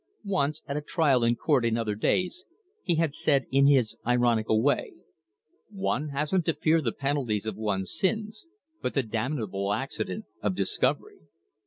Once, at a trial in court in other days, he had said in his ironical way: "One hasn't to fear the penalties of one's sins, but the damnable accident of discovery."